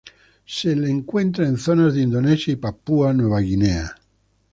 Se la encuentra en zonas de Indonesia y Papúa Nueva Guinea.